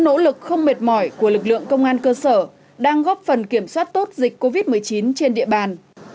nỗ lực không mệt mỏi của lực lượng công an cơ sở đang góp phần kiểm soát tốt dịch covid một mươi chín trên địa bàn